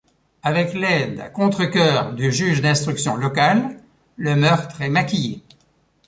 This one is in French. Avec l'aide à contre-cœur du juge d'instruction local, le meurtre est maquillé.